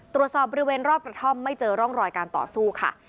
ตรวจสอบบริเวณรอบกระท่อมไม่เจอร่องรอยการต่อสู้ค่ะ